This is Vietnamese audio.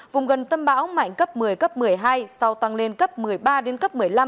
vùng gần tâm bão mạnh cấp một mươi cấp một mươi hai sau tăng lên cấp một mươi ba đến cấp một mươi năm